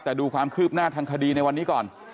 แต่ดูความคืบหน้าทางคดีในวันนี้ก่อน